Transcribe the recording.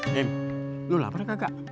dim lu lapar gak